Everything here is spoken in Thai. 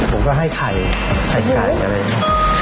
ผมก็ให้ไข่ไข่ไก่อะไรอย่างนี้